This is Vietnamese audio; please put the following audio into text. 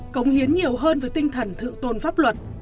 cống hiến nhiều hơn với tinh thần thượng tôn pháp luật